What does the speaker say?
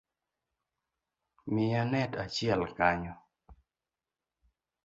Miya net achiel kanyo